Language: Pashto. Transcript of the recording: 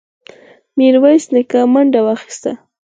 ميرويس نيکه منډه واخيسته.